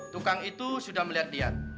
tukang itu sudah melihat lihat